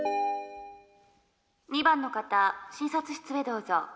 「２番の方診察室へどうぞ」。